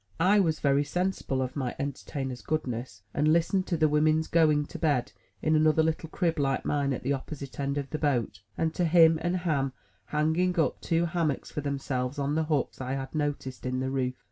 I was very sensible of my entertainer's goodness, and listened to the women's going to bed in another little crib like mine at io6 THE TREASURE CHEST the opposite end of the boat, and to him and Ham hanging up two hammocks for themselves on the hooks I had noticed in the roof.